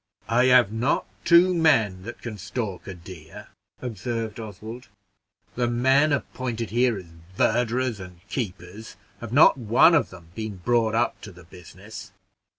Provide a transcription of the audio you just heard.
"I have not two men that can stalk a deer," observed Oswald "the men appointed here as verderers and keepers have not one of them been brought up to the business.